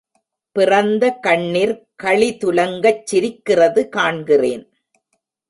பிறந்த கண்ணிர் களி துலங்கச் சிரிக்கிறது காண்கிறேன்.